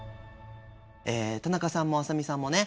田中さんも浅見さんもね